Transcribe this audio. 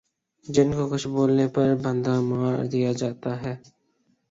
جن کو کچھ بولنے پر بندہ مار دیا جاتا ھے